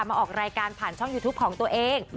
ออกรายการผ่านช่องยูทูปของตัวเอง